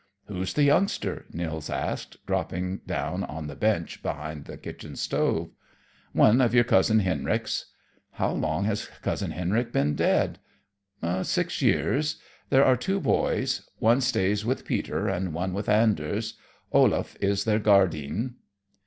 "Who's the youngster?" Nils asked, dropping down on the bench behind the kitchen stove. "One of your Cousin Henrik's." "How long has Cousin Henrik been dead?" "Six years. There are two boys. One stays with Peter and one with Anders. Olaf is their guardeen."